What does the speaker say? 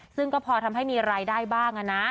ซึ่งก็พอทำให้มีรายได้บ้าง